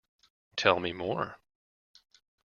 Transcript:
Tell me more.